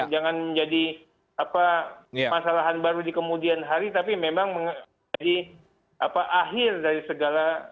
jangan menjadi masalahan baru di kemudian hari tapi memang menjadi akhir dari segala